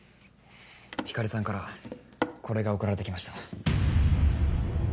光莉さんからこれが送られて来ました。